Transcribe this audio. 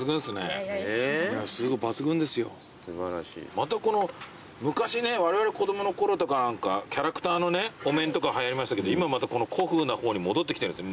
またこの昔ねわれわれ子供のころとかなんかキャラクターのねお面とかはやりましたけど今またこの古風な方に戻ってきてるんですね